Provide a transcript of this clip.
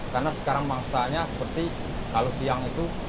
karena sekarang mangsanya seperti kalau siang itu